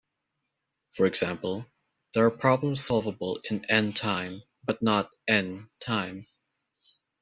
For example, there are problems solvable in "n" time but not "n" time.